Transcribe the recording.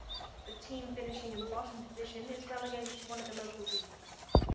The team finishing in bottom position is relegated to one of the local leagues.